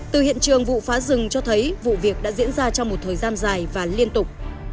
từ hiện trường vụ phá rừng cho thấy vụ việc đã diễn ra trong một thời gian dài và liên tục